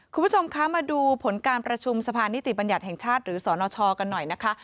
คุณผู้ชมคะมาดูผลการประชุมสะพานนิติบัญญัติแห่งชาติหรือสนชกันหน่อยนะคะ